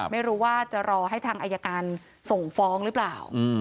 ไม่รู้ว่าจะรอให้ทางอายการส่งฟ้องหรือเปล่า